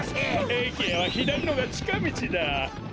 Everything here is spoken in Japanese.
えきへはひだりのがちかみちだ！